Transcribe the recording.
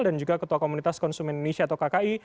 dan juga ketua komunitas konsumen indonesia atau kki